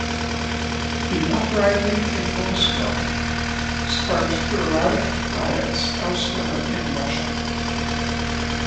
The uprising in Moscow sparked sporadic riots elsewhere in Russia.